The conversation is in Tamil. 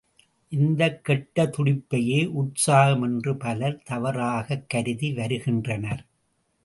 இந்தக் கெட்ட துடிப்பையே உற்சாகம் என்று பலர் தவறாகக் கருதி வருகின்றனர்.